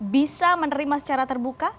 bisa menerima secara terbuka